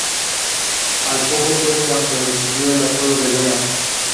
Al poco fue cuando recibió el apodo de "Brain".